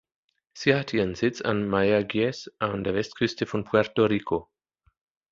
Sie hat ihren Sitz an Mayagüez, an der Westküste von Puerto Rico.